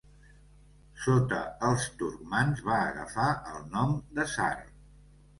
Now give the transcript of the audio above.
Sota els turcmans va agafar el nom de Tsar.